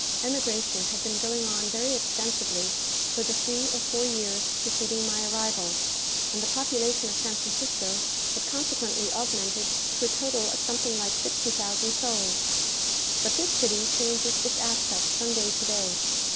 Emigration had been going on very extensively for the three or four years preceding my arrival, and the population of San Francisco had consequently augmented to a total of something like sixty thousand souls. But this city changes its aspect from day to day.